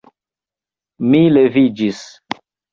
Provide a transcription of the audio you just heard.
Mi leviĝis.